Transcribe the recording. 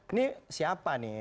ini siapa nih